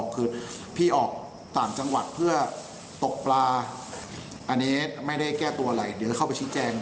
คือพี่ออกต่างจังหวัดเพื่อตกปลาอันนี้ไม่ได้แก้ตัวอะไรเดี๋ยวจะเข้าไปชี้แจง